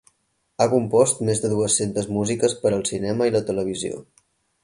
Ha compost més de dues-centes músiques per al cinema i la televisió.